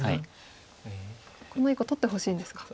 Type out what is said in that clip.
この１個を取ってほしいんですか。